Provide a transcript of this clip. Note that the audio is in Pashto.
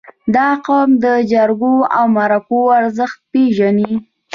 • دا قوم د جرګو او مرکو ارزښت پېژني.